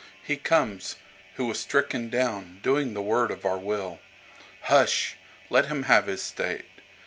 He comes, who was stricken downDoing the word of our will. Hush! Let him have his state.